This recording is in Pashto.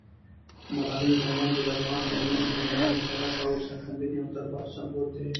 ملالۍ میوندۍ د افغان مېرمنو د مېړانې، غیرت او سرښندنې یو تلپاتې سمبول ده.